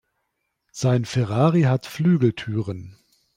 Sein Ferrari hat Flügeltüren.